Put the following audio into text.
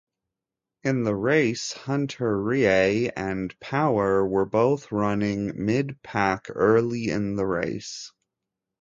In the race Hunter-Reay and Power were both running mid-pack early in the race.